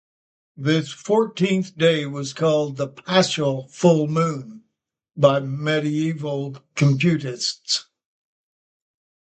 This fourteenth day was called the "paschal full moon" by medieval computists.